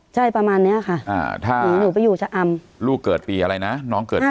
ใช่ประมาณเนี่ยค่ะ